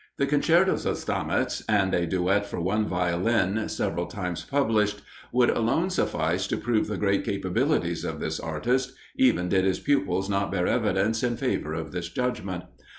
The concertos of Stamitz, and a duet for one Violin, several times published, would alone suffice to prove the great capabilities of this artist: even did his pupils not bear evidence in favour of this judgment.